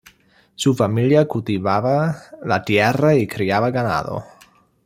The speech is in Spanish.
Su familia cultivaba la tierra y criaba ganado.